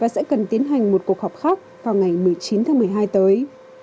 sẽ cần tiến hành một cuộc họp khác vào ngày một mươi chín tháng một mươi hai tới